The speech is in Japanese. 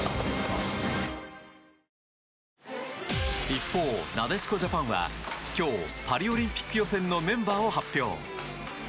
一方、なでしこジャパンは今日パリオリンピック予選のメンバーを発表。